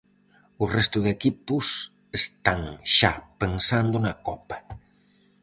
O resto de equipos están xa pensando na copa.